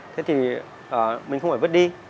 thế thì mình không phải vứt đi